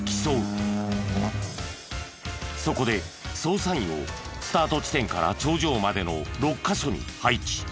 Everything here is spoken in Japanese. そこで捜査員をスタート地点から頂上までの６カ所に配置。